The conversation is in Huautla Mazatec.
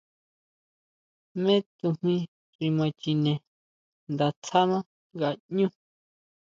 Jmé tsujmí xi ma chine nda tsáná ngaʼñú.